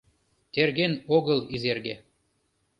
Терген огыл Изерге.